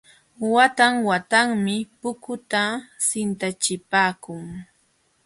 Watan watanmi pukuta sintachipaakun.